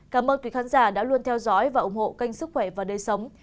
cảm ơn quý khán giả đã luôn theo dõi và ủng hộ kênh sức khỏe và đời sống